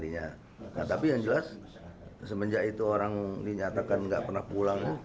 nah tapi yang jelas semenjak itu orang dinyatakan nggak pernah pulang